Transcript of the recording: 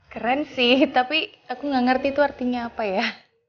keren sih tapi aku gak ngerti itu artinya apa ya